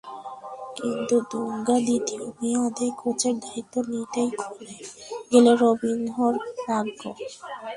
কিন্তু দুঙ্গা দ্বিতীয় মেয়াদে কোচের দায়িত্ব নিতেই খুলে গেল রবিনহোর ভাগ্য।